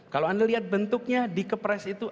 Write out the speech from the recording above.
kalau anda lihat bentuknya di kepres itu